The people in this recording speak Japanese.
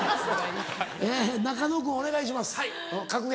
中野君お願いします格言。